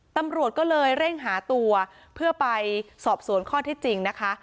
ตำรวจก็เลยเร่งหาตัวเพื่อไปสอบสวนข้อที่จริงนะคะ